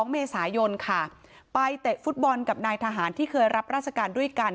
๒เมษายนค่ะไปเตะฟุตบอลกับนายทหารที่เคยรับราชการด้วยกัน